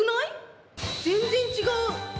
全然違う。